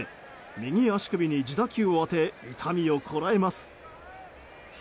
右足首に自打球を当て痛みをこらえます。